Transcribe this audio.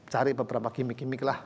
cari beberapa gimmick gimmick lah